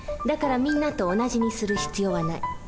だからみんなと同じにする必要はない。